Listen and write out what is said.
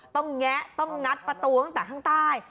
ต้องแง๊ะต้องงัดประตูตากลางใต้